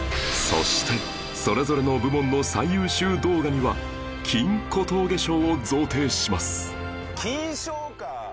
そしてそれぞれの部門の最優秀動画には金小峠賞を贈呈します